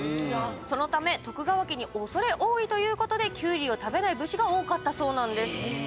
そのため徳川家におそれ多いということでキュウリを食べない武士が多かったそうなんです。